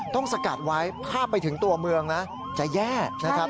ต้องสกัดไว้พลาดไปถึงตัวเมืองนะก็จะแย่นะครับ